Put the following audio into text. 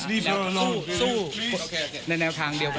ใช่เราเป็นผู้เสพอย่างเดียว